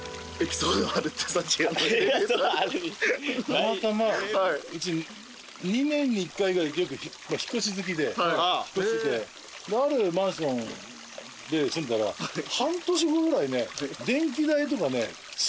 たまたまうち２年に１回ぐらい引っ越し好きで引っ越しててであるマンションで住んでたら半年分ぐらいね。